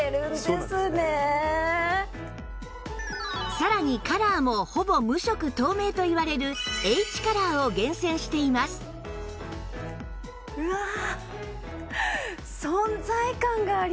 さらにカラーもほぼ無色透明といわれる Ｈ カラーを厳選していますわあ！